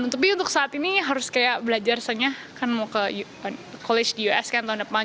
tapi untuk saat ini harus kayak belajar soalnya kan mau ke college di us kan tahun depan